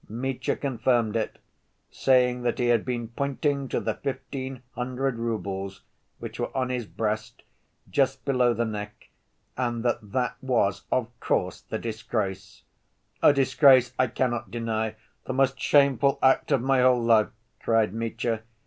Mitya confirmed it, saying that he had been pointing to the fifteen hundred roubles which were on his breast, just below the neck, and that that was, of course, the disgrace, "A disgrace I cannot deny, the most shameful act of my whole life," cried Mitya.